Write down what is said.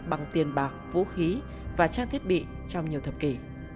bằng tiền bạc vũ khí và trang thiết bị trong nhiều thập kỷ